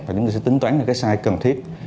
và chúng tôi sẽ tính toán ra cái size cần thiết